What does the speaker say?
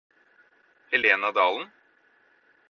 Helena Dalen